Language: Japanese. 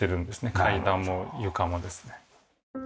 階段も床もですね。